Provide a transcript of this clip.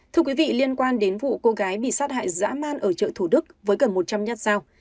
thưa quý vị liên quan đến vụ cô gái bị sát hại dã man ở chợ thủ đức với gần một trăm linh nhát dao